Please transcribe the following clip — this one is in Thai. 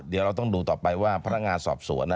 เดี๋ยวเราต้องดูต่อไปว่าพนักงานสอบสวน